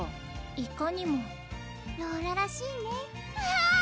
いかにもローラらしいねうわ！